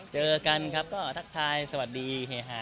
เจอกันครับขออย่างนี้